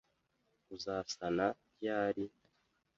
Uzasana ryari?